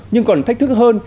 nhưng còn thách thức hơn